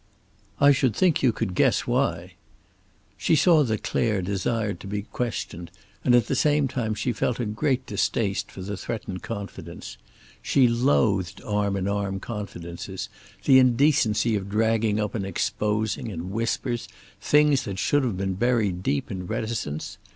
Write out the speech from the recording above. "I should think you could guess why." She saw that Clare desired to be questioned, and at the same time she felt a great distaste for the threatened confidence. She loathed arm in arm confidences, the indecency of dragging up and exposing, in whispers, things that should have been buried deep in reticence.